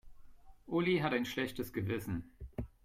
Uli hat ein schlechtes Gewissen.